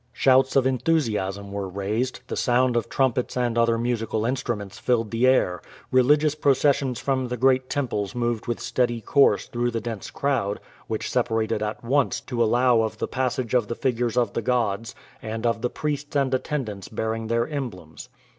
Shouts of enthusiasm were raised, the sound of trumpets and other musical instruments filled the air, religious processions from the great temples moved with steady course through the dense crowd, which separated at once to allow of the passage of the figures of the gods, and of the priests and attendants bearing their emblems.